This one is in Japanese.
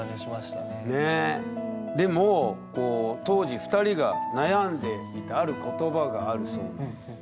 でも当時２人が悩んでいたある言葉があるそうなんですよね。